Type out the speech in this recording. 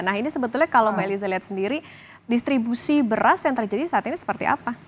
nah ini sebetulnya kalau mbak eliza lihat sendiri distribusi beras yang terjadi saat ini seperti apa